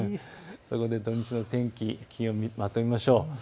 そこで土日の天気、気温をまとめましょう。